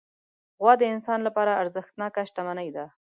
غوا د انسان لپاره ارزښتناکه شتمني ده.